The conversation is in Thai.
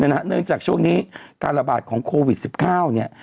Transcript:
เนื่องจากช่วงนี้การระบาดของโควิด๑๙เนี่ย